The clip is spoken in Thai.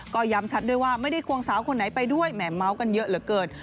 ก็ย้ำชัดด้วยว่าไม่ได้ควงสาวคนไหนไปด้วยแหมเมาส์กันเยอะเหลือเกิน